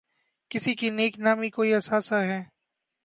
کسی کی نیک نامی کوئی اثاثہ ہے۔